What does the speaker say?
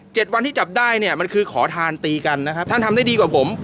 วันที่จับได้เนี่ยมันคือขอทานตีกันนะครับท่านทำได้ดีกว่าผม